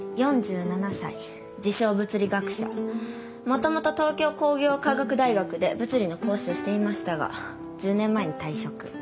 もともと東京工業化学大学で物理の講師をしていましたが１０年前に退職。